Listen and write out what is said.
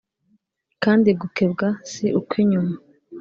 Kandi gukebwa si ukw inyuma